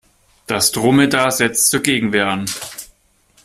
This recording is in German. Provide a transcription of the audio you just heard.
Das Dromedar setzt zur Gegenwehr an.